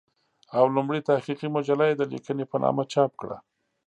او لومړۍ تحقيقي مجله يې د "ليکنې" په نامه چاپ کړه